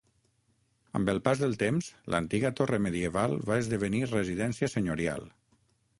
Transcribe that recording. Amb el pas del temps l'antiga torre medieval va esdevenir residència senyorial.